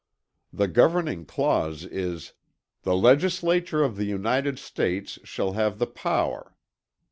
The governing clause is, "The Legislature of the United States shall have the power."